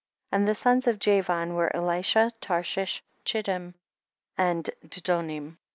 6. And the sons of Javan were Elisha, Tarshish, Chittim and Dudo nim.